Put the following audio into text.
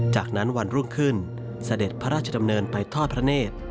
จากนั้นวันรุ่งขึ้นเสด็จพระราชดำเนินไปทอดพระเนธ